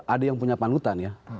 ada yang punya panutan ya